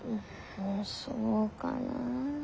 そうかなあ。